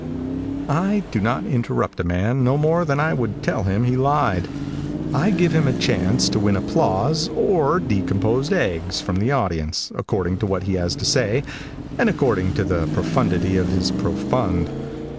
I do not interrupt a man no more than I would tell him he lied. I give him a chance to win applause or decomposed eggs from the audience, according to what he has to say, and according to the profundity of his profund.